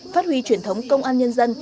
phát huy truyền thống công an nhân dân